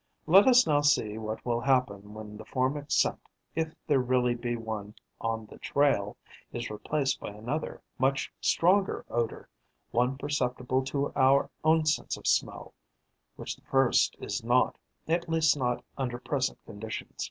Let us now see what will happen when the formic scent, if there really be one on the trail, is replaced by another, much stronger odour, one perceptible to our own sense of smell, which the first is not, at least not under present conditions.